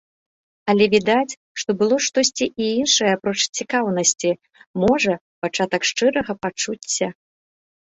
Але відаць, што было і штосьці іншае апроч цікаўнасці, можа, пачатак шчырага пачуцця.